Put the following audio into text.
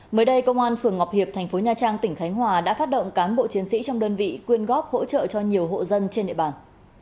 mới đây công an phường ngọc hiệp thành phố nha trang tỉnh khánh hòa đã phát động cán bộ chiến sĩ trong đơn vị quyên góp hỗ trợ cho nhiều hộ dân trên địa bàn